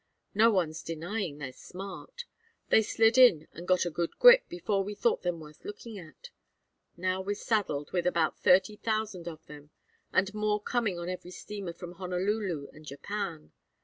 No one's denying they're smart. They slid in and got a good grip before we thought them worth looking at. Now we're saddled with about thirty thousand of them, and more coming on every steamer from Honolulu and Japan.